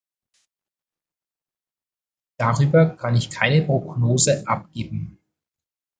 Darüber kann ich keine Prognose abgeben.